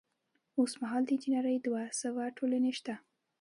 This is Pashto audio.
اوس مهال د انجنیری دوه سوه ټولنې شته.